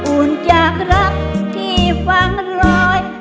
อุ่นจากรักที่ฟังรอย